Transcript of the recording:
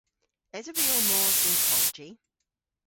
Esov vy ow mos dhe'n kolji?